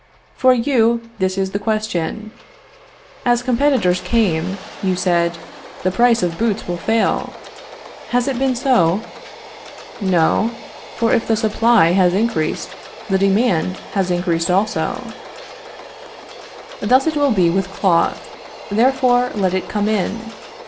For you, this is the question. As competitors came, you said: The price of boots will fail. Has it been so? No, for if the supply has increased, the demand has increased also. Thus will it be with cloth; therefore let it come in.